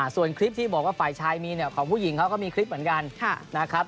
ส่วนคลิปที่บอกว่าฝ่ายชายมีเนี่ยของผู้หญิงเขาก็มีคลิปเหมือนกันนะครับ